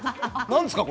何ですか。